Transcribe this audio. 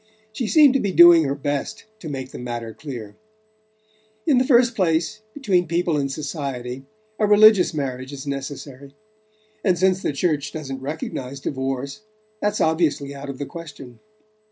She seemed to be doing her best to make the matter clear. "In the first place, between people in society a religious marriage is necessary; and, since the Church doesn't recognize divorce, that's obviously out of the question.